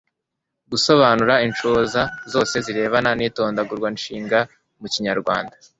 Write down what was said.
gusobanura inshoza zose zirebana n'itondaguranshinga mu kinyarwanda